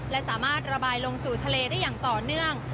และสามารถระบายลงสู่ทะเลได้อย่างต่อเนื่อง